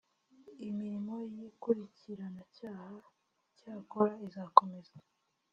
imirimo y ikurikiranacyaha icyakora izakomeza